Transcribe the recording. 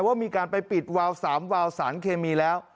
ว่ามีการไปปิดวาว๓วาวสารเคมีแล้ว